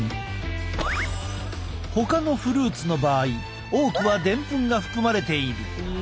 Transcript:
ほかのフルーツの場合多くはでんぷんが含まれている。